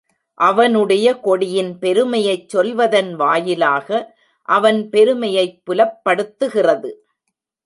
அவனுடைய கொடியின் பெருமையைச் சொல்வதன் வாயிலாக அவன் பெருமையைப் புலப்படுத்துகிறது.